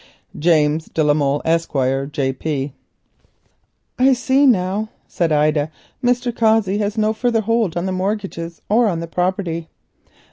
"James de la Molle, Esq., J.P., D.L." "I see now," said Ida. "Mr. Cossey has no further hold on the mortgages or on the property."